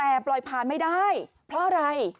แต่ปล่อยผ่านไม่ได้เพราะอะไร